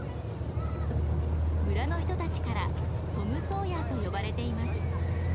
村の人たちからトム・ソーヤーと呼ばれています。